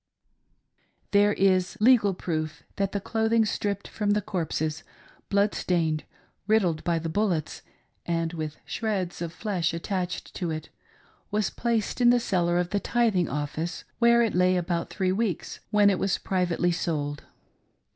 There is legal proof that the clothing stripped frorri the corpses, blood stained, riddled by the bullets, and with shreds of flesh attached to it, was placed in the cellar of the tithing office, where it lay about three weeks, when it was privately sold.